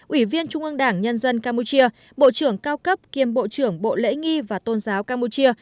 ủy viên trung ương đảng nhân dân campuchia bộ trưởng cao cấp kiêm bộ trưởng bộ lễ nghi và tôn giáo campuchia